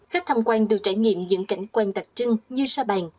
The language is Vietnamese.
khách tham quan được trải nghiệm những cảnh quan tạc trưng như sa bàn